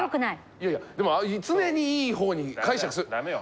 いやいやでも常にいい方に解釈する。